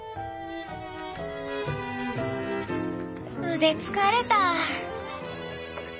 腕疲れたぁ。